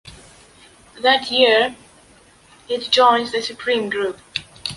That year it joins the Supreme group.